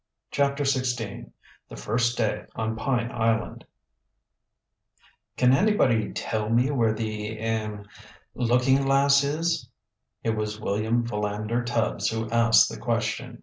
CHAPTER XVI THE FIRST DAY ON PINE ISLAND "Can anybody tell me where the er looking glass is"? It was William Philander Tubbs who asked the question.